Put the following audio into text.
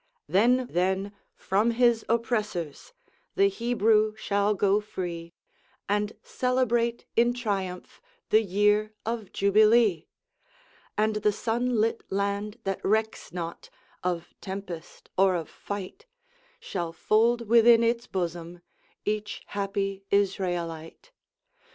Then, then, from his oppressors The Hebrew shall go free, And celebrate in triumph The year of Jubilee: And the sun lit land that recks not Of tempest or of fight Shall fold within its bosom Each happy Israelite.